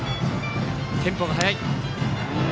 テンポが速い。